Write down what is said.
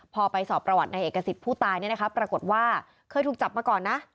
พอไปสอบประวัติในเอกสิทธิ์ผู้ตายเนี่ยนะคะปรากฏว่าเคยถูกจับมาก่อนนะ